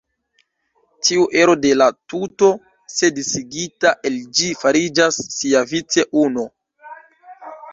Tiu ero de la tuto, se disigita el ĝi fariĝas siavice uno.